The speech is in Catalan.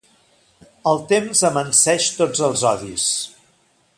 El temps amanseix tots els odis.